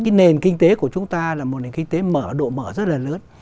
cái nền kinh tế của chúng ta là một nền kinh tế mở độ mở rất là lớn